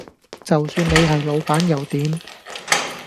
就算你係老闆又點